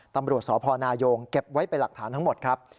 ตำรวจสพนายงเก็บไว้เป็นหลักฐานทั้งหมดครับ